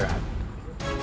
mohon ampun gusti prabu